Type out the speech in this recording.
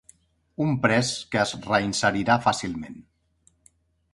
Un pres que es reinserirà fàcilment.